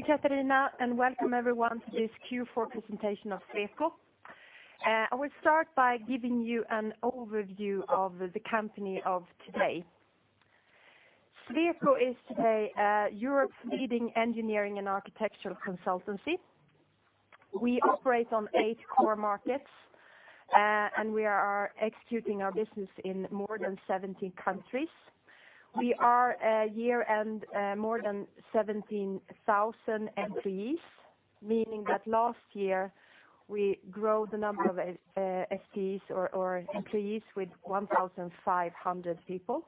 Thank you, Katarina, and welcome everyone to this Q4 presentation of Sweco. I will start by giving you an overview of the company of today. Sweco is today, Europe's leading engineering and architectural consultancy. We operate on eight core markets, and we are executing our business in more than 17 countries. We are a year and more than 17,000 employees, meaning that last year, we grow the number of FTEs or employees with 1,500 people.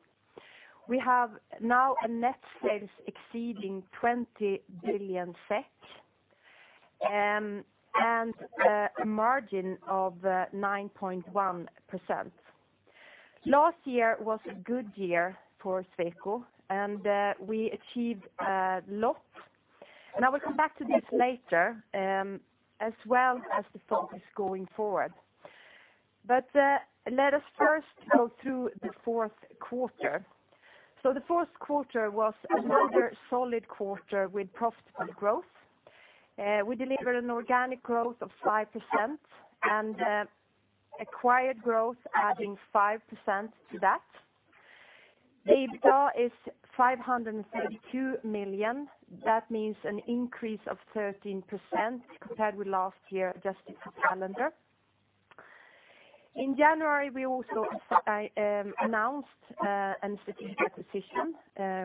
We have now net sales exceeding 20 billion SEK, and a margin of 9.1%. Last year was a good year for Sweco, and we achieved a lot. And I will come back to this later, as well as the focus going forward. But let us first go through the fourth quarter. So the fourth quarter was another solid quarter with profitable growth. We delivered an organic growth of 5% and acquired growth, adding 5% to that. The EBITDA is 532 million. That means an increase of 13% compared with last year, adjusted for calendar. In January, we also announced a strategic acquisition.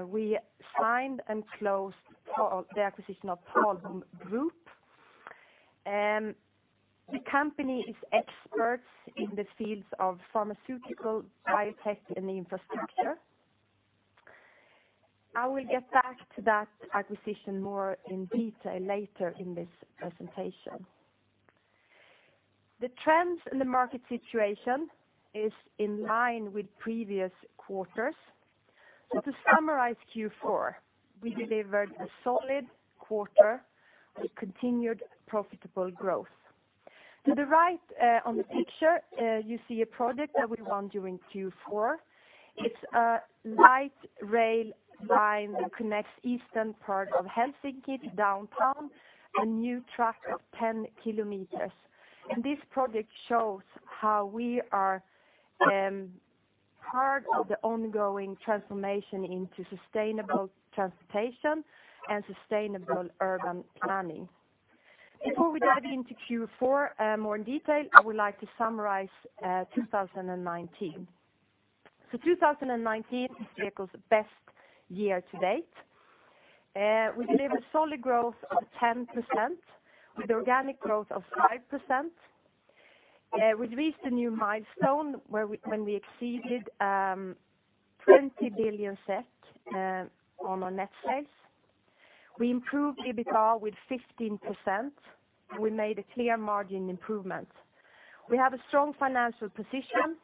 We signed and closed the acquisition of Talboom Group. The company is experts in the fields of pharmaceutical, biotech, and infrastructure. I will get back to that acquisition more in detail later in this presentation. The trends in the market situation is in line with previous quarters. So to summarize Q4, we delivered a solid quarter with continued profitable growth. To the right, on the picture, you see a project that we won during Q4. It's a light rail line that connects eastern part of Helsinki to downtown, a new track of 10 km. This project shows how we are part of the ongoing transformation into sustainable transportation and sustainable urban planning. Before we dive into Q4, more in detail, I would like to summarize 2019. 2019 is Sweco's best year to date. We delivered solid growth of 10%, with organic growth of 5%. We reached a new milestone where we exceeded 20 billion on our net sales. We improved EBITDA with 15%. We made a clear margin improvement. We have a strong financial position,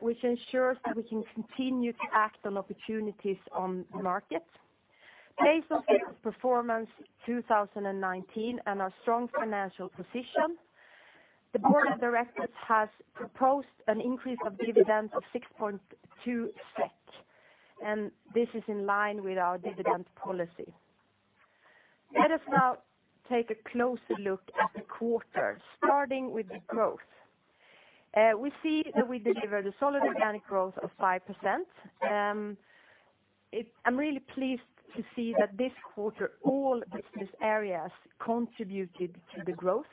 which ensures that we can continue to act on opportunities on the market. Based on Sweco's performance in 2019 and our strong financial position, the board of directors has proposed an increase of dividend of 6.2 SEK, and this is in line with our dividend policy. Let us now take a closer look at the quarter, starting with the growth. We see that we delivered a solid organic growth of 5%. I'm really pleased to see that this quarter, all business areas contributed to the growth.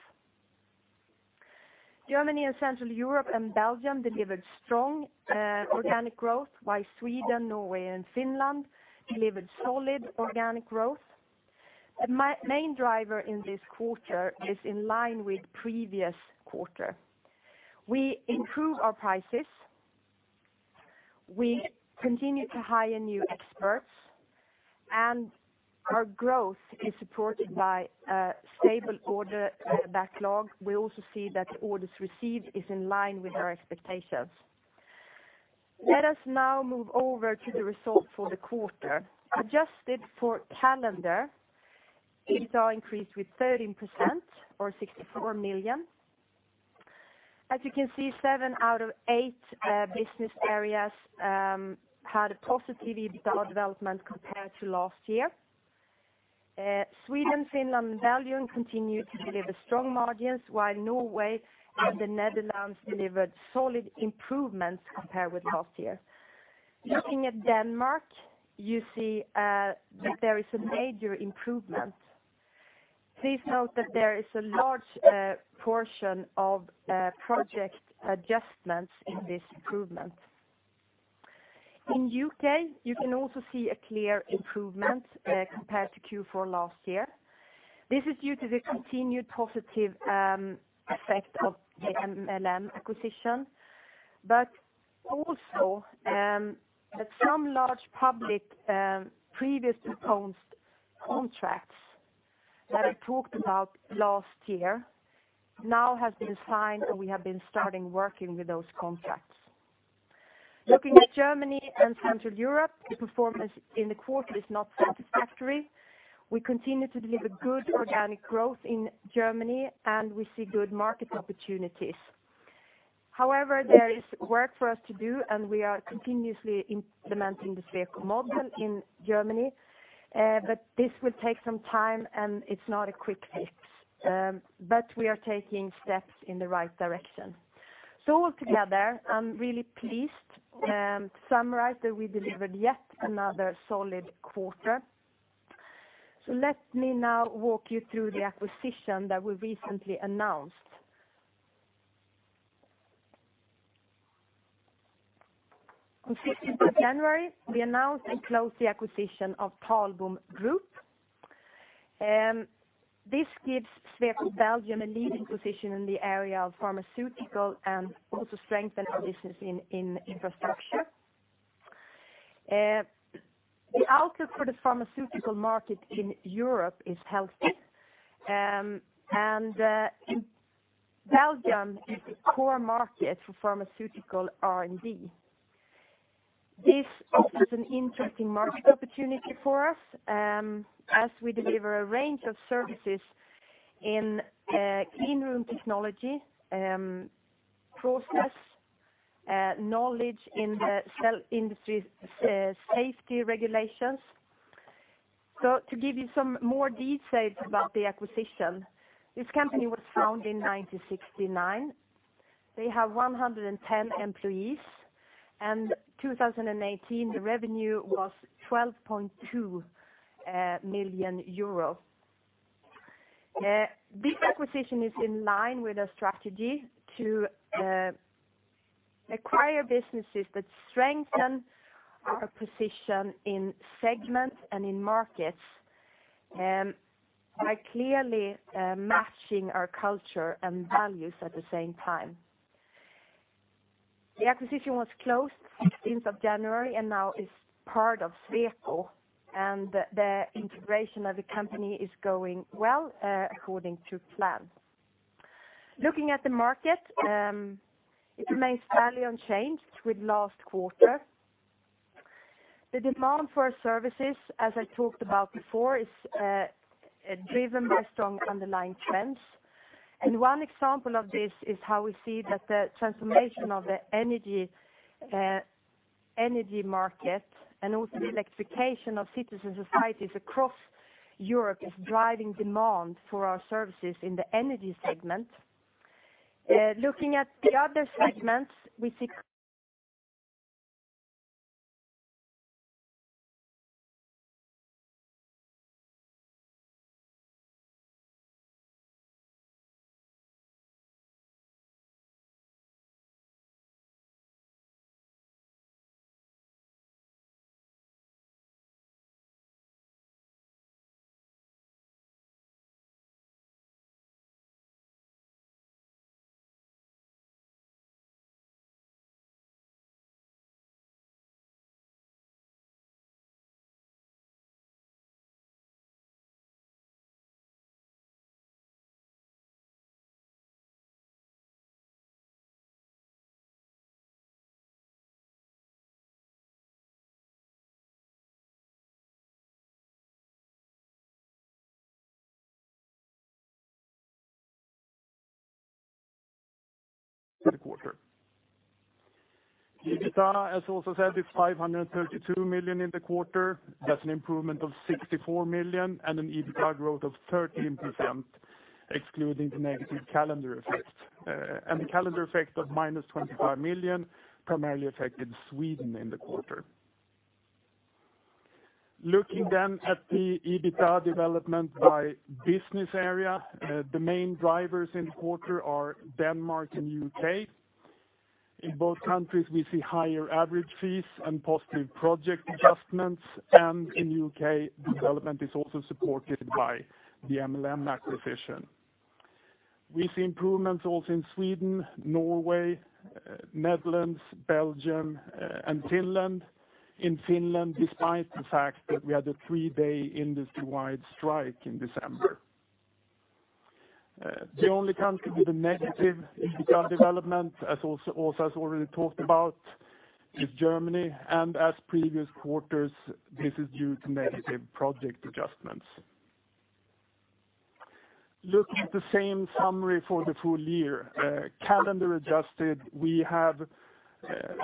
Germany and Central Europe and Belgium delivered strong organic growth, while Sweden, Norway, and Finland delivered solid organic growth. The main driver in this quarter is in line with previous quarter. We improve our prices, we continue to hire new experts, and our growth is supported by a stable order backlog. We also see that orders received is in line with our expectations. Let us now move over to the results for the quarter. Adjusted for calendar, EBITDA increased with 13% or 64 million. As you can see, seven out of eight business areas had a positive EBITDA development compared to last year. Sweden, Finland, and Belgium continued to deliver strong margins, while Norway and the Netherlands delivered solid improvements compared with last year. Looking at Denmark, you see that there is a major improvement. Please note that there is a large portion of project adjustments in this improvement. In U.K., you can also see a clear improvement compared to Q4 last year. This is due to the continued positive effect of the MLM acquisition, but also some large public previously postponed contracts that I talked about last year now have been signed, and we have been starting working with those contracts. Looking at Germany and Central Europe, the performance in the quarter is not satisfactory. We continue to deliver good organic growth in Germany, and we see good market opportunities. However, there is work for us to do, and we are continuously implementing the Sweco model in Germany. But this will take some time, and it's not a quick fix, but we are taking steps in the right direction. So all together, I'm really pleased and summarized that we delivered yet another solid quarter. So let me now walk you through the acquisition that we recently announced. On sixteenth of January, we announced and closed the acquisition of Talboom Group. This gives Sweco Belgium a leading position in the area of pharmaceutical and also strengthen our business in infrastructure. The outlook for the pharmaceutical market in Europe is healthy. And Belgium is a core market for pharmaceutical R&D. This offers an interesting market opportunity for us, as we deliver a range of services in, cleanroom technology, process knowledge in the cell industry, safety regulations. So to give you some more details about the acquisition, this company was founded in 1969. They have 110 employees, and 2018, the revenue was 12.2 million euros. This acquisition is in line with our strategy to, acquire businesses that strengthen our position in segments and in markets, by clearly matching our culture and values at the same time. The acquisition was closed sixteenth of January and now is part of Sweco, and the integration of the company is going well, according to plan. Looking at the market, it remains fairly unchanged with last quarter. The demand for our services, as I talked about before, is driven by strong underlying trends. And one example of this is how we see that the transformation of the energy energy market and also the electrification of cities and societies across Europe is driving demand for our services in the energy segment. Looking at the other segments, we see- The quarter. EBITDA, as also said, is 532 million in the quarter. That's an improvement of 64 million and an EBITDA growth of 13%, excluding the negative calendar effect. And the calendar effect of -25 million primarily affected Sweden in the quarter. Looking then at the EBITDA development by business area, the main drivers in the quarter are Denmark and U.K. In both countries, we see higher average fees and positive project adjustments, and in U.K., development is also supported by the MLM acquisition. We see improvements also in Sweden, Norway, Netherlands, Belgium, and Finland. In Finland, despite the fact that we had a three-day industry-wide strike in December. The only country with a negative EBITDA development, as also, Åsa has already talked about, is Germany, and as previous quarters, this is due to negative project adjustments. Looking at the same summary for the full year, calendar adjusted, we have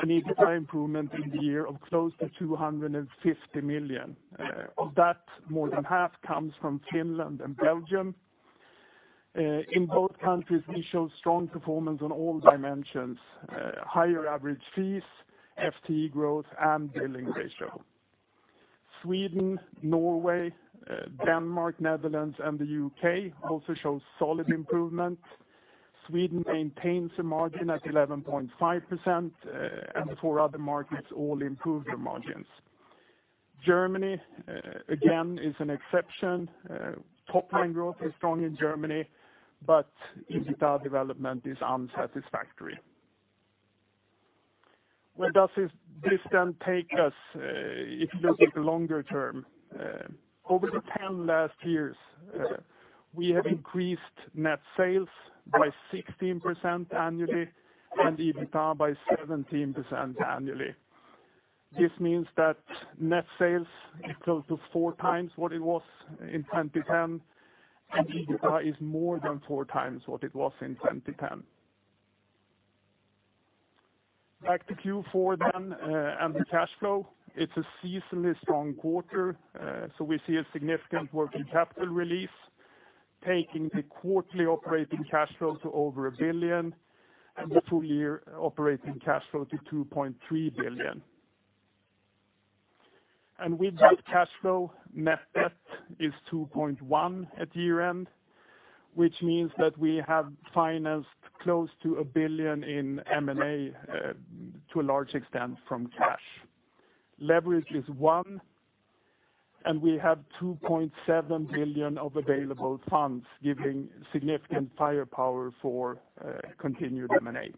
an EBITDA improvement in the year of close to 250 million. Of that, more than half comes from Finland and Belgium. In both countries, we show strong performance on all dimensions: higher average fees, FTE growth, and billing ratio. Sweden, Norway, Denmark, Netherlands, and the U.K. also show solid improvement. Sweden maintains a margin at 11.5%, and the four other markets all improve their margins. Germany, again, is an exception. Top line growth is strong in Germany, but EBITDA development is unsatisfactory. Where does this then take us, if you look at the longer term? Over the 10 last years, we have increased net sales by 16% annually and EBITDA by 17% annually. This means that net sales is close to four times what it was in 2010, and EBITDA is more than four times what it was in 2010. Back to Q4 then, and the cash flow. It's a seasonally strong quarter, so we see a significant working capital release, taking the quarterly operating cash flow to over 1 billion, and the full year operating cash flow to 2.3 billion. And with that cash flow, net debt is 2.1 billion at year-end, which means that we have financed close to 1 billion in M&A, to a large extent from cash. Leverage is one, and we have 2.7 billion of available funds, giving significant firepower for, continued M&A.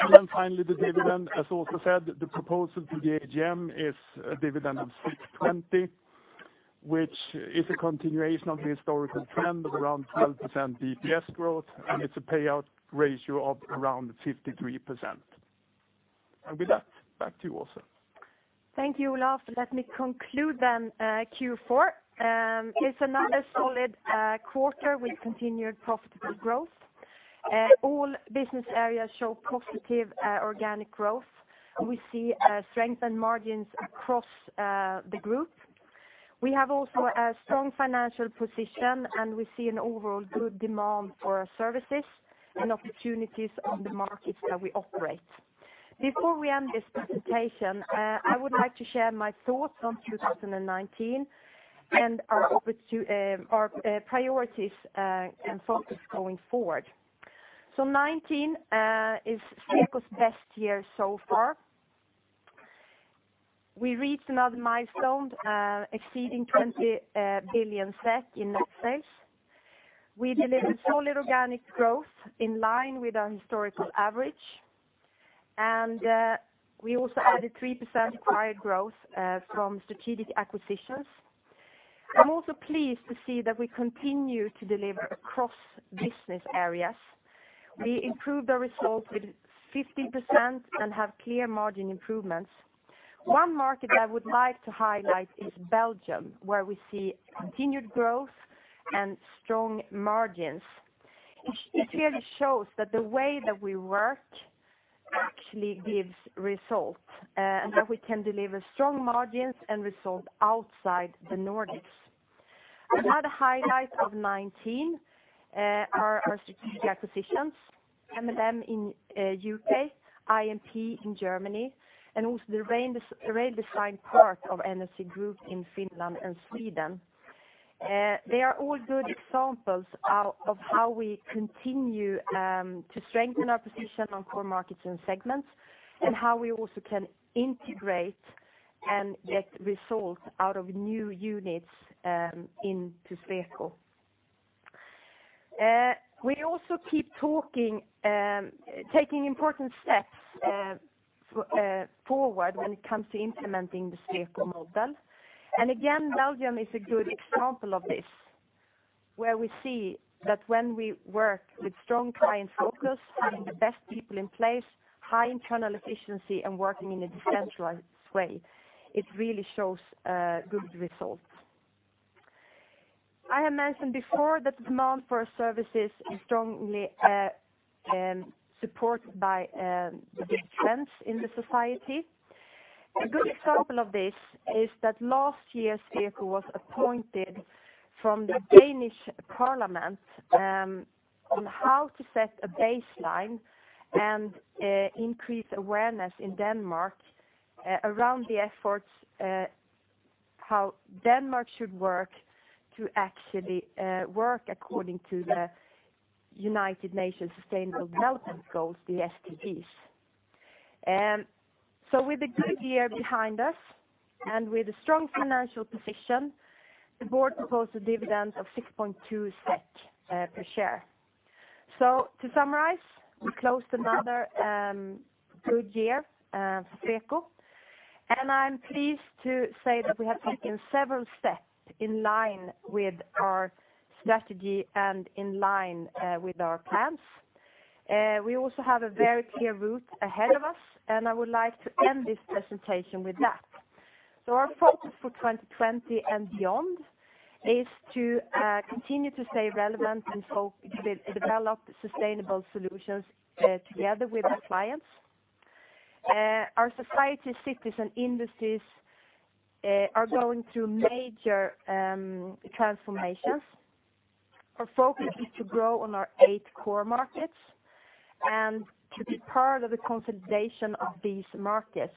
And then finally, the dividend. As also said, the proposal to the AGM is a dividend of 6.20, which is a continuation of the historical trend of around 12% DPS growth, and it's a payout ratio of around 53%. With that, back to you, Åsa. Thank you, Olof. Let me conclude then, Q4. It's another solid quarter with continued profitable growth. All business areas show positive organic growth, and we see strength and margins across the group. We have also a strong financial position, and we see an overall good demand for our services and opportunities on the markets that we operate. Before we end this presentation, I would like to share my thoughts on 2019 and our priorities and focus going forward. So 2019 is Sweco's best year so far. We reached another milestone, exceeding 20 billion SEK in net sales. We delivered solid organic growth in line with our historical average, and we also added 3% acquired growth from strategic acquisitions. I'm also pleased to see that we continue to deliver across business areas. We improved our results with 50% and have clear margin improvements. One market I would like to highlight is Belgium, where we see continued growth and strong margins. It really shows that the way that we work actually gives results, and that we can deliver strong margins and results outside the Nordics. Another highlight of 2019 are our strategic acquisitions, MLM in U.K., imp in Germany, and also the rail design part of NRC Group in Finland and Sweden. They are all good examples of how we continue to strengthen our position on core markets and segments, and how we also can integrate and get results out of new units into Sweco. We also keep taking important steps forward when it comes to implementing the Sweco model. Again, Belgium is a good example of this, where we see that when we work with strong client focus, having the best people in place, high internal efficiency, and working in a decentralized way, it really shows good results. I have mentioned before that the demand for our services is strongly supported by the big trends in the society. A good example of this is that last year, Sweco was appointed from the Danish Parliament on how to set a baseline and increase awareness in Denmark around the efforts how Denmark should work to actually work according to the United Nations Sustainable Development Goals, the SDGs. So with a good year behind us, and with a strong financial position, the board proposed a dividend of 6.2 SEK per share. So to summarize, we closed another good year for Sweco, and I'm pleased to say that we have taken several steps in line with our strategy and in line with our plans. We also have a very clear route ahead of us, and I would like to end this presentation with that. So our focus for 2020 and beyond is to continue to stay relevant and focus, develop sustainable solutions together with our clients. Our society, cities, and industries are going through major transformations. Our focus is to grow on our eight core markets and to be part of the consolidation of these markets,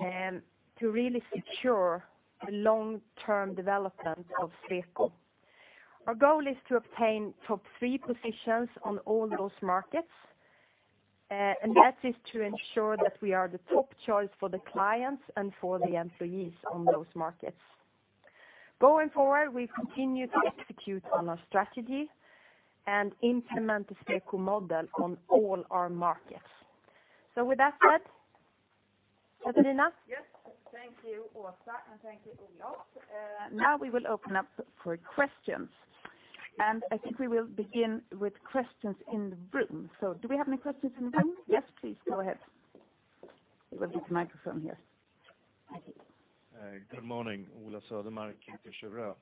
to really secure the long-term development of Sweco. Our goal is to obtain top three positions on all those markets, and that is to ensure that we are the top choice for the clients and for the employees on those markets. Going forward, we continue to execute on our strategy and implement the Sweco model on all our markets. So with that said, Katarina? Yes, thank you, Åsa, and thank you, Olof. Now we will open up for questions, and I think we will begin with questions in the room. So do we have any questions in the room? Yes, please go ahead. We will give the microphone here. I think. Good morning, Ola Södermark, Kepler Cheuvreux.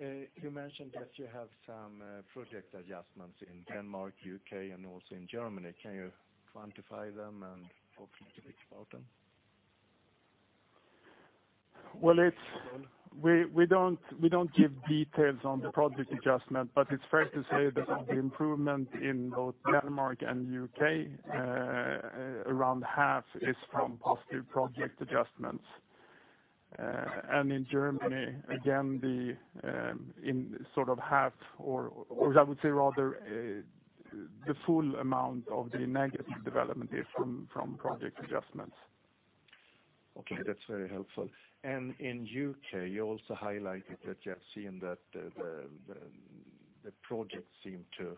You mentioned that you have some project adjustments in Denmark, U.K., and also in Germany. Can you quantify them and talk a little bit about them? Well, we don't give details on the project adjustment, but it's fair to say that the improvement in both Denmark and U.K., around half, is from positive project adjustments. And in Germany, again, in sort of half or I would say rather the full amount of the negative development is from project adjustments. Okay, that's very helpful. And in U.K., you also highlighted that you have seen that the projects seem to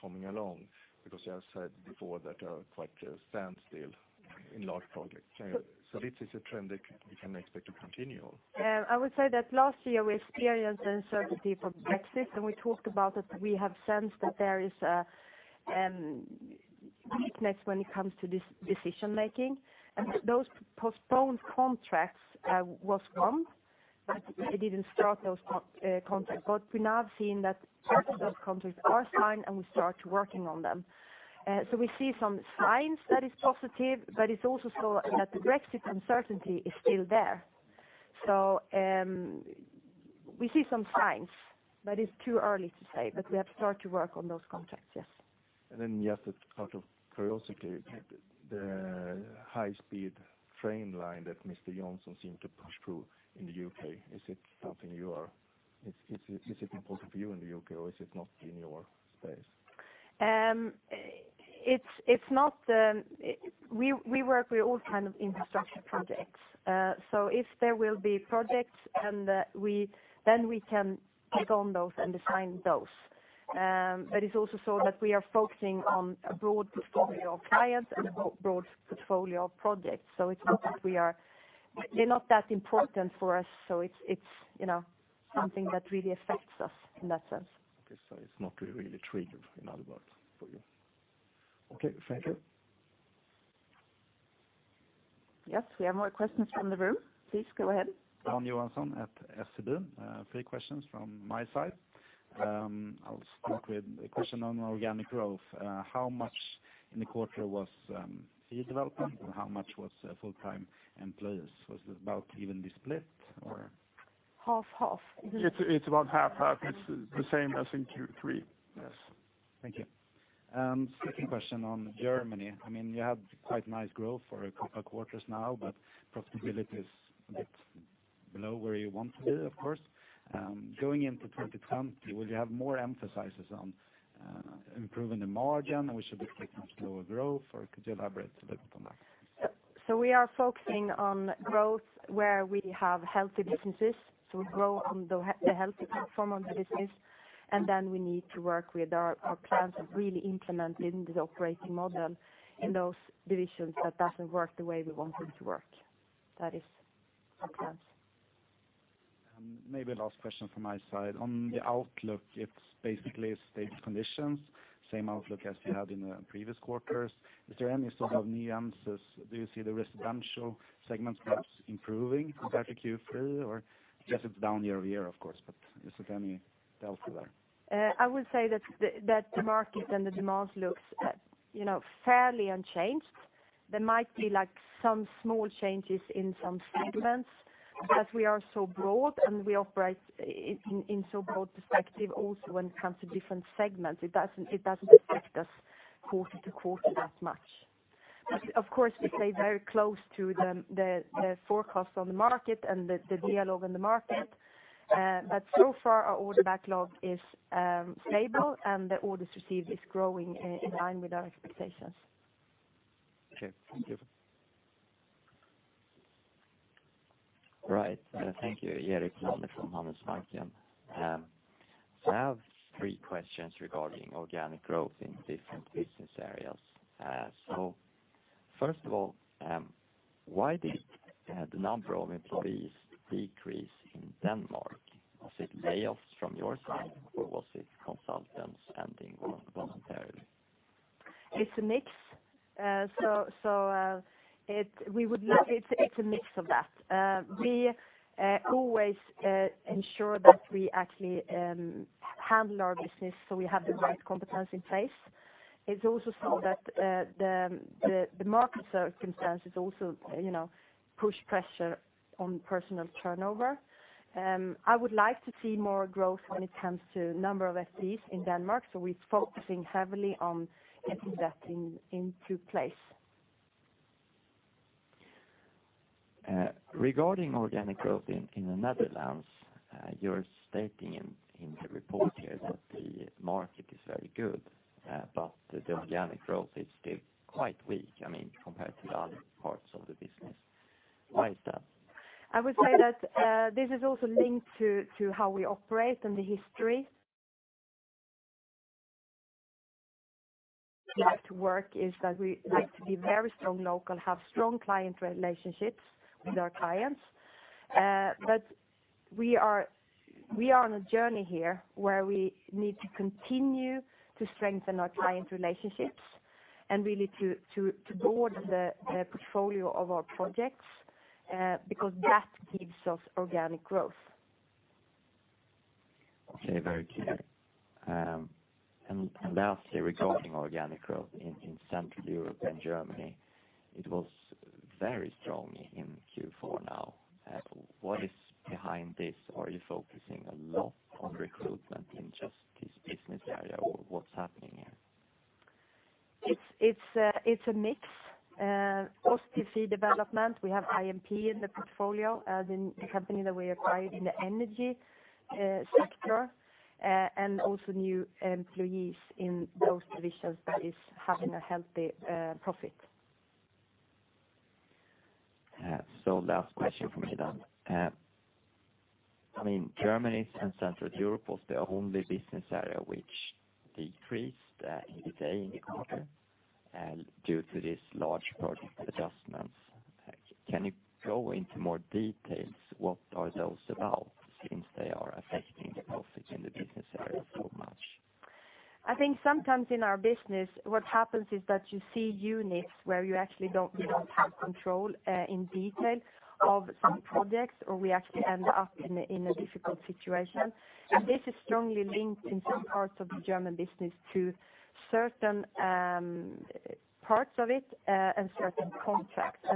coming along, because you have said before that are quite standstill in large projects. So this is a trend that we can expect to continue? I would say that last year we experienced uncertainty from Brexit, and we talked about it. We have sensed that there is a weakness when it comes to this decision making. And those postponed contracts was one, that they didn't start those contracts. But we're now seeing that some of those contracts are signed, and we start working on them. So we see some signs that is positive, but it's also so that the Brexit uncertainty is still there. So we see some signs, but it's too early to say, but we have started to work on those contracts, yes. Then, yes, out of curiosity, the high-speed train line that Mr. Johnson seemed to push through in the U.K., is it something you are – is it important for you in the U.K., or is it not in your space? It's not. We work with all kind of infrastructure projects. So if there will be projects, and then we can take on those and design those. But it's also so that we are focusing on a broad portfolio of clients and a broad portfolio of projects. So it's not that we are—they're not that important for us, so it's, you know, something that really affects us in that sense. Okay, so it's not really, really triggered, in other words, for you. Okay, thank you. Yes, we have more questions from the room. Please go ahead. Dan Johansson at SEB. Three questions from my side. I'll start with a question on organic growth. How much in the quarter was fee development, and how much was full-time employees? Was it about evenly split or? Half, half. It's about half, half. It's the same as in Q3. Yes. Thank you. Second question on Germany. I mean, you had quite nice growth for a couple of quarters now, but profitability is a bit below where you want to be, of course. Going into 2020, will you have more emphasis on improving the margin, or should we expect much lower growth, or could you elaborate a little on that? So we are focusing on growth where we have healthy businesses, so we grow on the healthy platform of the business, and then we need to work with our plans and really implement in the operating model in those divisions that doesn't work the way we want them to work. That is our plans. Maybe last question from my side. On the outlook, it's basically stable conditions, same outlook as we had in the previous quarters. Is there any sort of nuances? Do you see the residential segments perhaps improving compared to Q3, or yes, it's down year-over-year, of course, but is there any delta there? I would say that the market and the demand looks you know, fairly unchanged. There might be like, some small changes in some segments, but we are so broad, and we operate in so broad perspective also when it comes to different segments, it doesn't affect us quarter to quarter that much. But of course, we stay very close to the forecast on the market and the dialogue in the market. But so far our order backlog is stable, and the orders received is growing in line with our expectations. Okay, thank you. Right. Thank you. Erik Elander from Handelsbanken. I have three questions regarding organic growth in different business areas. So first of all, why did the number of employees decrease in Denmark? Was it layoffs from your side, or was it consultants ending voluntarily? It's a mix. It's a mix of that. We always ensure that we actually handle our business, so we have the right competence in place. It's also so that the market circumstances also, you know, push pressure on personal turnover. I would like to see more growth when it comes to number of FTEs in Denmark, so we're focusing heavily on getting that into place. Regarding organic growth in the Netherlands, you're stating in the report here that the market is very good, but the organic growth is still quite weak, I mean, compared to the other parts of the business. Why is that? I would say that this is also linked to how we operate and the history. Like the way we work is that we like to be very strong locally, have strong client relationships with our clients. But we are on a journey here where we need to continue to strengthen our client relationships and really to broaden the portfolio of our projects, because that gives us organic growth. Okay, very clear. And lastly, regarding organic growth in Central Europe and Germany, it was very strong in Q4 now. What is behind this? Are you focusing a lot on recruitment in just this business area, or what's happening here? It's a mix. Also PC development. We have imp in the portfolio, the company that we acquired in the energy sector, and also new employees in those divisions that is having a healthy profit. So, last question for me then. I mean, Germany and Central Europe was the only business area which decreased in the quarter due to this large project adjustments. Can you go into more details, what are those about, since they are affecting the profit in the business area so much? I think sometimes in our business, what happens is that you see units where you actually don't have control in detail of some projects, or we actually end up in a difficult situation. This is strongly linked in some parts of the German business to certain parts of it and certain contracts.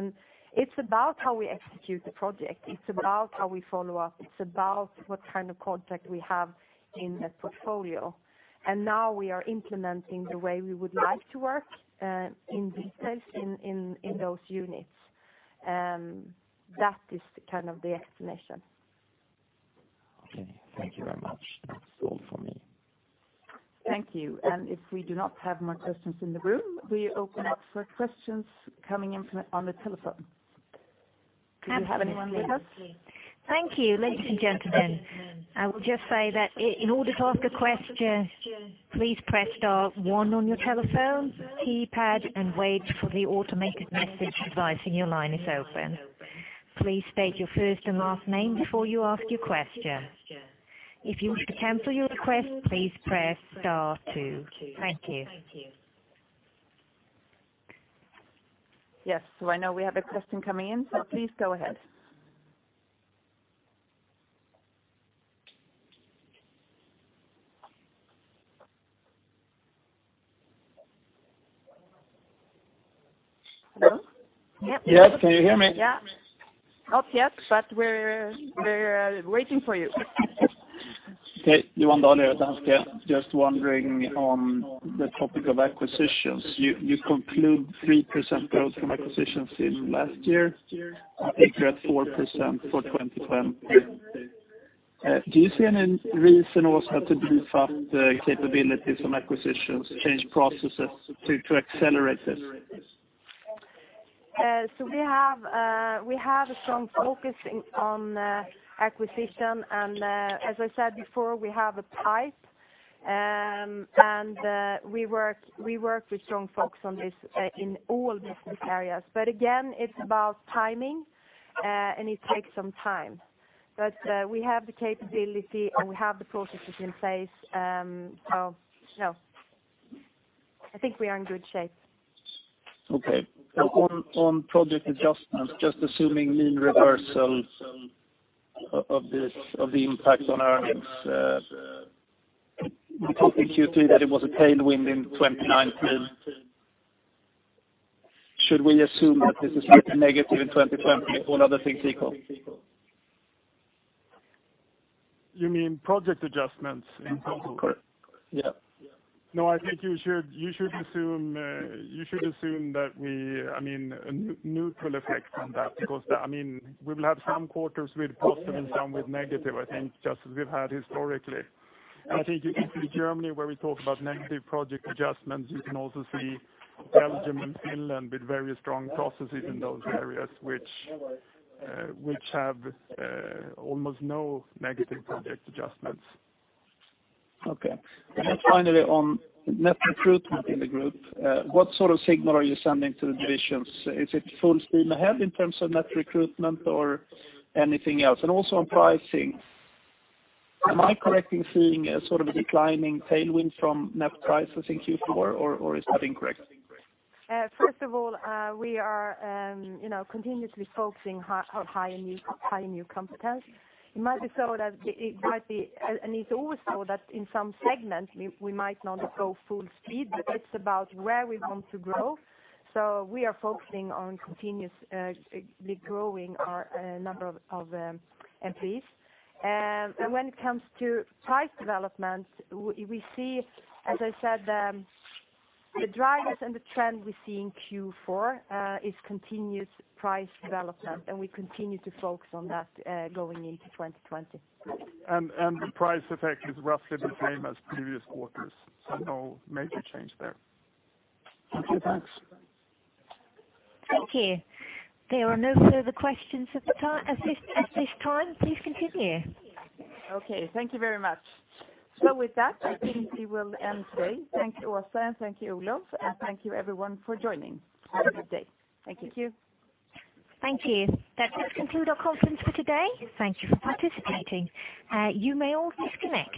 It's about how we execute the project. It's about how we follow up. It's about what kind of contract we have in the portfolio. Now we are implementing the way we would like to work in details in those units. That is kind of the explanation. Okay, thank you very much. That's all for me. Thank you. If we do not have more questions in the room, we open up for questions coming in from... on the telephone. Do you have anyone with us? Thank you, ladies and gentlemen. I will just say that in order to ask a question, please press star one on your telephone keypad and wait for the automated message advising your line is open. Please state your first and last name before you ask your question. If you want to cancel your request, please press star two. Thank you. Yes, so I know we have a question coming in, so please go ahead. Hello? Yes, can you hear me? Yeah. Not yet, but we're, we're waiting for you. Okay. Johan Dahl, Danske. Just wondering on the topic of acquisitions, you conclude 3% growth from acquisitions in last year. I think you're at 4% for 2020. Do you see any reason also to beef up the capabilities on acquisitions, change processes to accelerate this? So we have, we have some focusing on acquisition, and, as I said before, we have a pipe, and, we work, we work with strong focus on this in all business areas. But again, it's about timing, and it takes some time. But, we have the capability, and we have the processes in place. So, so I think we are in good shape. Okay. On project adjustments, just assuming mean reversal of this, of the impact on earnings, you talked in Q2 that it was a tailwind in 2019. Should we assume that this is negative in 2020, all other things equal? You mean project adjustments in total? Correct. Yeah. No, I think you should, you should assume, you should assume that we... I mean, a neutral effect on that, because, I mean, we will have some quarters with positive and some with negative, I think, just as we've had historically. I think in Germany, where we talk about negative project adjustments, you can also see Belgium and Finland with very strong processes in those areas, which, which have, almost no negative project adjustments. Okay. And then finally, on net recruitment in the group, what sort of signal are you sending to the divisions? Is it full steam ahead in terms of net recruitment or anything else? And also on pricing, am I correctly seeing a sort of a declining tailwind from net prices in Q4, or, or is that incorrect? First of all, we are, you know, continuously focusing on higher new, higher new competence. It might be so that it might be, and it's always so that in some segments, we might not go full speed, but it's about where we want to grow. So we are focusing on continuously growing our number of employees. And when it comes to price development, we see, as I said, the drivers and the trend we see in Q4 is continuous price development, and we continue to focus on that, going into 2020. The price effect is roughly the same as previous quarters, so no major change there. Okay, thanks. Thank you. There are no further questions at this time. Please continue. Okay, thank you very much. With that, I think we will end today. Thank you, Åsa, and thank you, Olof, and thank you everyone for joining. Have a good day. Thank you. Thank you. Thank you. That does conclude our conference for today. Thank you for participating. You may all disconnect.